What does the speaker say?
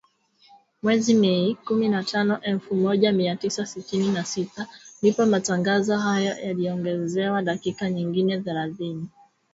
Mwezi Mei, kumi na tano elfu moja mia tisa sitini na sita, ndipo matangazo hayo yaliongezewa dakika nyingine thelathini na kuwa matangazo ya saa moja.